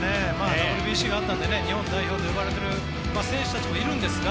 ＷＢＣがあったので日本代表と呼ばれている選手たちもいるんですが